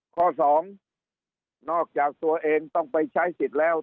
ข้อสองนอกจากตัวเองต้องไปใช้สิทธิ์แล้ว